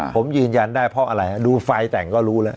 ผมยืนยันได้เพราะอะไรดูไฟแต่งก็รู้แล้ว